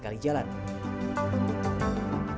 kami hanya awan banyak